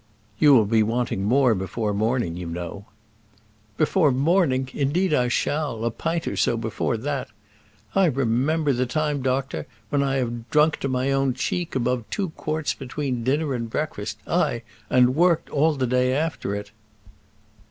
"You will be wanting more before morning, you know." "Before morning! indeed I shall; a pint or so before that. I remember the time, doctor, when I have drunk to my own cheek above two quarts between dinner and breakfast! aye, and worked all the day after it!"